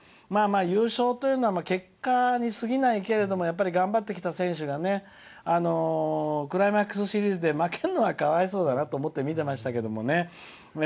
優勝というのは結果に過ぎないけど頑張ってきた選手がクライマックスシリーズで負けるのはかわいそうだなって思って見てましたけどもね。